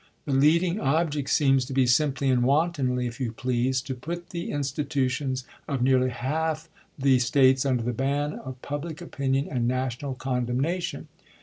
The leading object seems to be simply, and wantonly, if you please, to put the institutions of nearly half the States under the ban of public opinion and national con demnation.